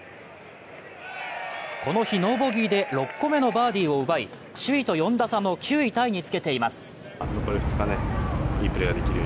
この日ノーボギーで６個目のバーディーを奪い、首位と４打差の９位タイにつけています。